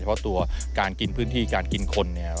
เพราะตัวการกินพื้นที่การกินคนเนี่ย